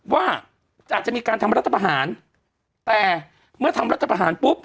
ว่าจะมีการทำรัฐประหารแต่เมื่อทำรัฐประหารปุ๊บ